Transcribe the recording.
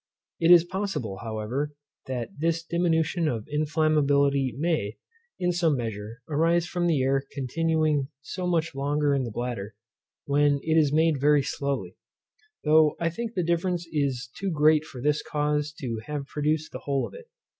It is possible, however, that this diminution of inflammability may, in some measure, arise from the air continuing so much longer in the bladder when it is made very slowly; though I think the difference is too great for this cause to have produced the whole of it.